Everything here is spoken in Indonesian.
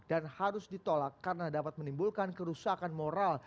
dan harus ditolak karena dapat menimbulkan kerusakan moral